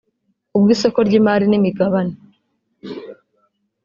ubw’isoko ry’imari n’imigabane